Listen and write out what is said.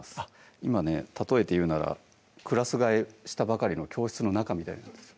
今ね例えて言うならクラス替えしたばかりの教室の中みたいなんですよ